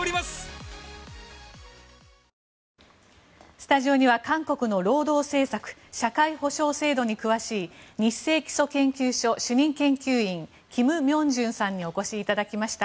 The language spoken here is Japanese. スタジオには韓国の労働政策社会保障制度に詳しいニッセイ基礎研究所の主任研究員キム・ミョンジュンさんにお越しいただきました。